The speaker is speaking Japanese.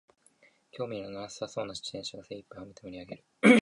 興味のなさそうな出演者が精いっぱいほめて盛りあげる